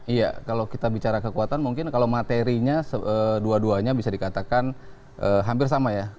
iya kalau kita bicara kekuatan mungkin kalau materinya dua duanya bisa dikatakan hampir sama ya